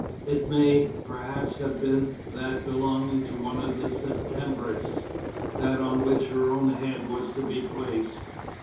It may, perhaps, have been that belonging to one of the Septembrists, that on which her own head was to be placed.